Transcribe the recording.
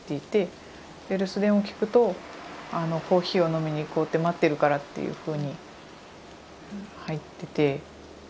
で留守電を聞くとコーヒーを飲みに行こうって待ってるからっていうふうに入ってて。